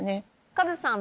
カズさん